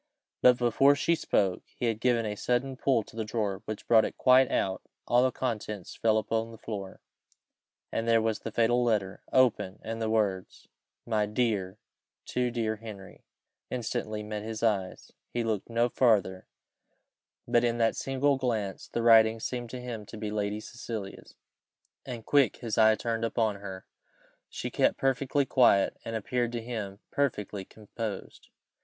But before she spoke, he had given a sudden pull to the drawer, which brought it quite out, and all the contents fell upon the floor, and there was the fatal letter, open, and the words "My dear, too dear Henry" instantly met his eyes; he looked no farther, but in that single glance the writing seemed to him to be Lady Cecilia's, and quick his eye turned upon her. She kept perfectly quiet, and appeared to him perfectly composed.